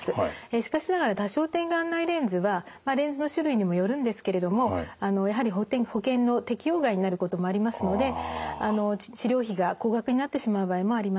しかしながら多焦点眼内レンズはレンズの種類にもよるんですけれどもやはり保険の適用外になることもありますので治療費が高額になってしまう場合もあります。